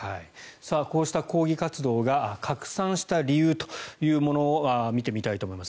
こうした抗議活動が拡散した理由というものを見てみたいと思います。